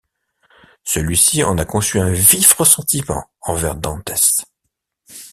Celui-ci en a conçu un vif ressentiment envers Dantès.